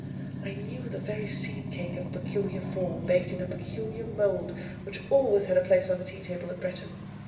I knew the very seed cake of peculiar form, baked in a peculiar mould, which always had a place on the tea table at Bretton.